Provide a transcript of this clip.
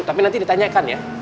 tapi nanti ditanyakan ya